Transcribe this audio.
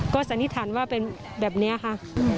ก็สันนิษฐานว่าเป็นแบบนี้ค่ะ